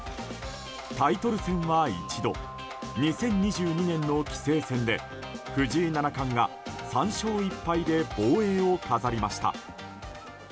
タイトル戦は１度２０２２年の棋聖戦で藤井七冠が、３勝１敗で防衛を飾りました。